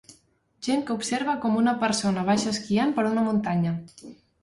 Gent que observa com una persona baixa esquiant per una muntanya.